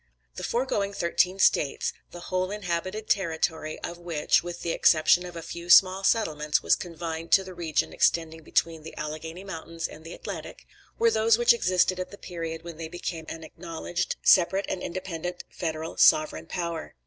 The foregoing thirteen states (THE WHOLE INHABITED TERRITORY OF WHICH, WITH THE EXCEPTION OF A FEW SMALL SETTLEMENTS, WAS CONFINED TO THE REGION EXTENDING BETWEEN THE ALLEGHANY MOUNTAINS AND THE ATLANTIC) were those which existed at the period when they became an acknowledged separate and independent federal sovereign power.